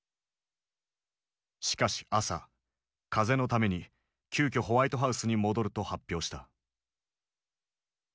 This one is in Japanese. しかし朝風邪のために急きょホワイトハウスに戻ると発表した。